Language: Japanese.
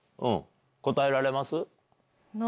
答えられます？